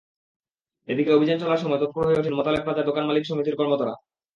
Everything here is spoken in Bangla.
এদিকে অভিযান চলার সময় তৎপর হয়ে ওঠেন মোতালেব প্লাজার দোকান-মালিক সমিতির কর্মকর্তারা।